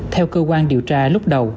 theo cơ quan điều tra lúc đầu